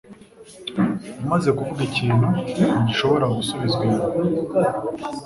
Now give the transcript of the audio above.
Umaze kuvuga ikintu, ntigishobora gusubizwa inyuma.